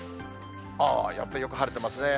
やっぱりよく晴れてますね。